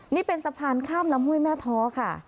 นี่เป็นสะพานข้ามลำห้วยแม่ท้อค่ะ